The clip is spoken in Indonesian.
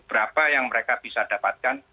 berapa yang mereka bisa dapatkan